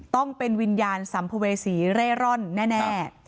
ต้องเป็นวิญญาณสัมภเวษีเร่ร่อนแน่